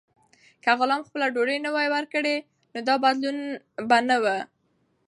که غلام خپله ډوډۍ نه وای ورکړې، نو دا بدلون به نه و.